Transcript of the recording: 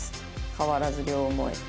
変わらず両思い。